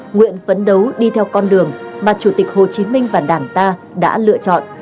nguyện phấn đấu đi theo con đường mà chủ tịch hồ chí minh và đảng ta đã lựa chọn